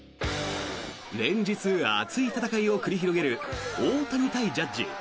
連日、熱い戦いを繰り広げる大谷対ジャッジ。